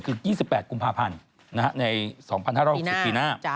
คือ๒๘กุมภาพันธ์ใน๒๕๖๐ปีหน้า